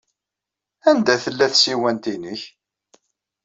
Anda tella tsiwant-nnek?